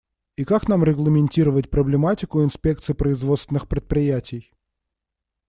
И как нам регламентировать проблематику инспекций производственных предприятий?